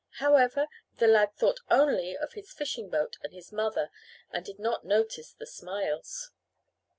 However, the lad thought only of his fishing boat and his mother and did not notice the smiles.